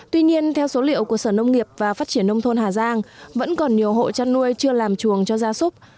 tuy nhiên theo số liệu của sở nông nghiệp và phát triển nông thôn hà giang vẫn còn nhiều hộ chăn nuôi chưa làm chuồng cho gia súc